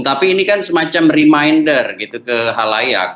tapi ini kan semacam reminder gitu ke halayak